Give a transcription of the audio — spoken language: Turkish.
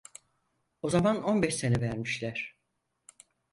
O zaman on beş sene vermişler.